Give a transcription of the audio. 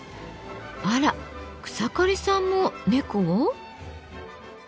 あら草刈さんも猫を？